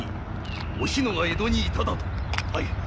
お篠が江戸にいただと⁉はい。